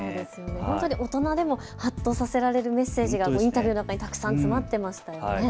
本当に大人でもはっとさせられるメッセージがインタビューの中にたくさん詰まっていましたよね。